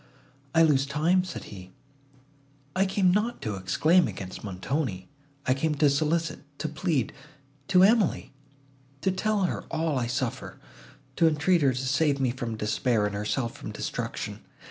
"I lose time," said he: "I came not to exclaim against Montoni; I came to solicit, to plead—to Emily; to tell her all I suffer, to entreat her to save me from despair, and herself from destruction.